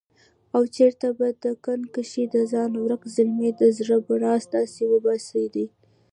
او چرته په دکن کښې دځانه ورک زلمي دزړه بړاس داسې وباسلے دے